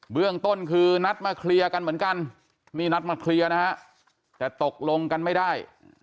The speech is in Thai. เรื่องต้นคือนัดมาเคลียร์กันเหมือนกันนี่นัดมาเคลียร์นะฮะแต่ตกลงกันไม่ได้